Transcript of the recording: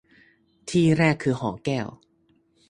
ที่แรกคือหอแก้ว